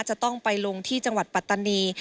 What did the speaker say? จะต้องไปลงที่จังหวัดปัตตานี